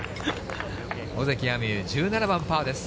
尾関彩美悠、１７番パーです。